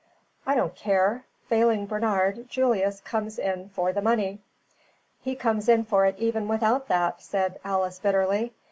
"I don't care. Failing Bernard, Julius comes in for the money." "He comes in for it even without that," said Alice, bitterly.